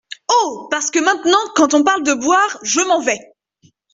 Oh ! parce que maintenant, quand on parle de boire, je m’en vais !